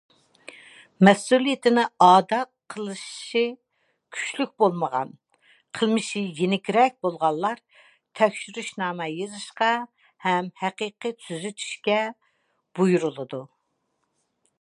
مەسئۇلىيىتىنى ئادا قىلىشى كۈچلۈك بولمىغان، قىلمىشى يېنىكرەك بولغانلار تەكشۈرۈشنامە يېزىشقا ھەم ھەقىقىي تۈزىتىشكە بۇيرۇلىدۇ.